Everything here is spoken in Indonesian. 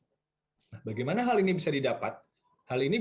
olha hal ini bisa didapat hal ini eropa iden